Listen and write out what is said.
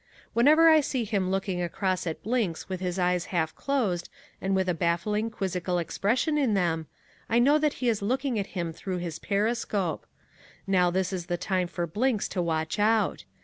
Whenever I see him looking across at Blinks with his eyes half closed and with a baffling, quizzical expression in them, I know that he is looking at him through his periscope. Now is the time for Blinks to watch out.